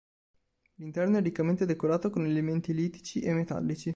L'interno è riccamente decorato con elementi litici e metallici.